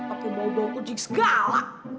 aku bau daun kucing sgawuk